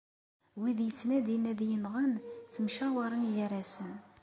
Wid yettnadin ad iyi-nɣen, ttemcawaren gar-asen.